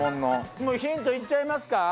もうヒントいっちゃいますか？